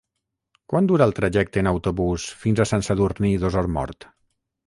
Quant dura el trajecte en autobús fins a Sant Sadurní d'Osormort?